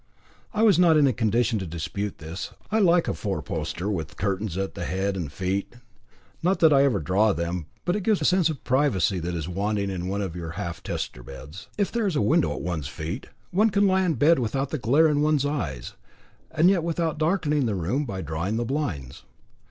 I was not in a condition to dispute this. I like a fourposter with curtains at head and feet; not that I ever draw them, but it gives a sense of privacy that is wanting in one of your half tester beds. If there is a window at one's feet, one can lie in bed without the glare in one's eyes, and yet without darkening the room by drawing the blinds.